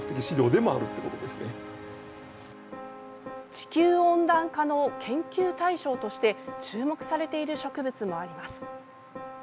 地球温暖化の研究対象として注目されている植物もあります。